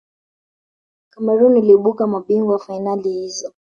cameroon iliibuka mabingwa wa fainali hizo